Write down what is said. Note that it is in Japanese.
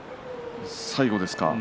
最後ですか？